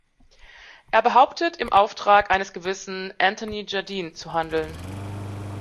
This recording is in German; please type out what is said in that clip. Er behauptet im Auftrag eines gewissen Anthony Jardine zu handeln.